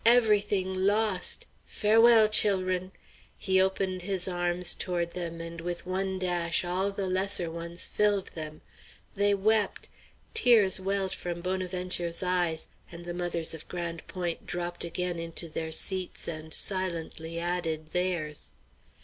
"Every thing lost! Farewell, chil'run!" He opened his arms toward them and with one dash all the lesser ones filled them. They wept. Tears welled from Bonaventure's eyes; and the mothers of Grande Pointe dropped again into their seats and silently added theirs.